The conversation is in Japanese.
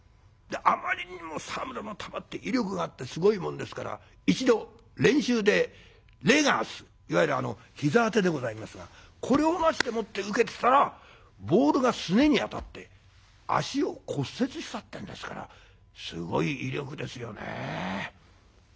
あまりにも沢村の球って威力があってすごいもんですから一度練習でレガースいわゆる膝当てでございますがこれをなしでもって受けてたらボールがすねに当たって脚を骨折したってんですからすごい威力ですよね。